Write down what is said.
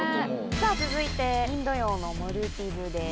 さぁ続いてインド洋のモルディブです。